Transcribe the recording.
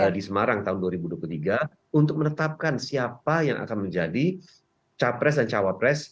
di semarang tahun dua ribu dua puluh tiga untuk menetapkan siapa yang akan menjadi capres dan cawapres